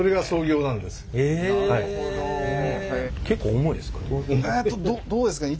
結構重いですかね？